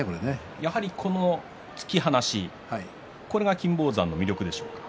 やはりこの突き放しこれが金峰山の魅力ですか？